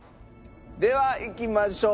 ではいきましょう。